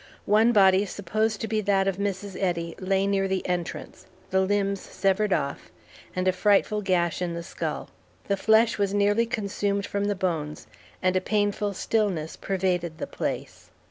One body supposed to be that of Mrs. Eddy lay near the entrance, the limbs severed off, and a frightful gash in the skull. The flesh was nearly consumed from the bones, and a painful stillness pervaded the place.